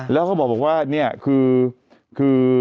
แล้วเขาบอกว่าเนี่ยคือ